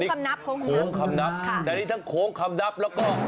โค้งคำนับแต่นี่ทั้งโค้งคำนับแล้วก็